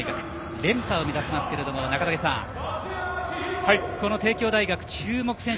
連覇を目指しますが、中竹さんこの帝京大学の注目選手